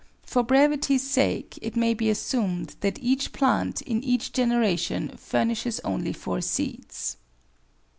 For brevity's sake it may be assumed that each plant in each generation furnishes only 4 seeds.